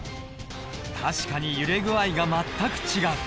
確かに揺れ具合が全く違う。